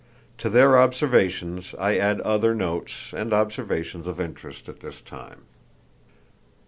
To their observations I add other notes and observations of interest at this time.